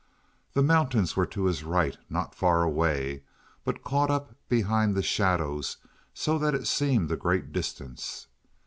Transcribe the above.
The mountains were to his right, not far away, but caught up behind the shadows so that it seemed a great distance.